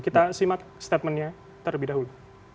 kita simak statementnya terlebih dahulu